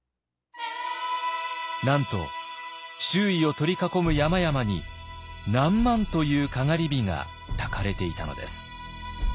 なんと周囲を取り囲む山々に何万というかがり火がたかれていたのです。